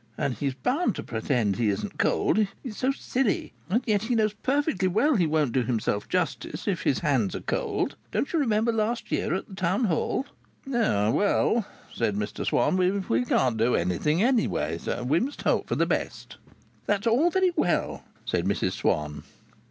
And he's bound to pretend he isn't cold. He's so silly. And yet he knows perfectly well he won't do himself justice if his hands are cold. Don't you remember last year at the Town Hall?" "Well," said Mr Swann, "we can't do anything; anyway, we must hope for the best." "That's all very well," said Mrs Swann.